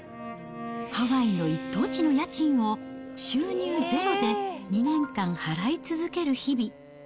ハワイの一等地の家賃を収入ゼロで２年間払い続ける日々。